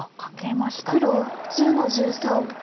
黒１０の十三。